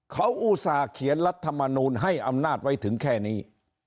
เขาอุตส่าห์เขียนรัฐมนูลให้อำนาจไว้ถึงแค่นี้